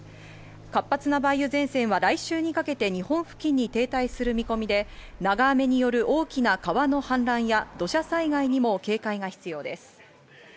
活発な梅雨前線は来週にかけて日本付近に停滞する見込みで、長雨による大きな川の氾濫や土砂災害にも警戒が必要です。